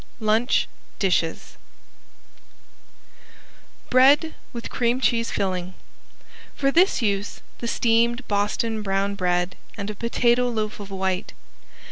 LUNCH DISHES ~BREAD, WITH CREAM CHEESE FILLING~ For this use the steamed Boston brown bread and a potato loaf of white.